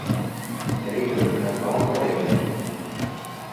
Er lebte mit seiner Frau in Collingwood.